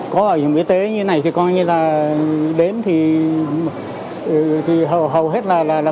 có bảo hiểm y tế như thế này thì coi như là đến thì hầu hết là bảo hiểm y tế